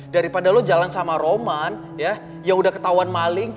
daripada lo jalan sama roman yang udah ketauan maling